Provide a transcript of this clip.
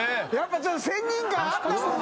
ちょっと仙人感あったもんね！